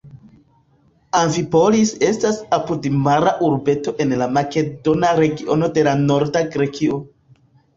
Amfipolis estas apudmara urbeto en la makedona regiono de norda Grekio.